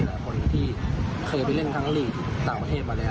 หลายคนที่เคยไปเล่นทั้งลีกต่างประเทศมาแล้ว